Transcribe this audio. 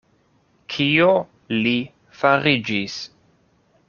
Kio li fariĝis?